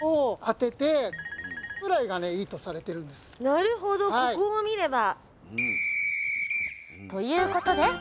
なるほどここを見れば。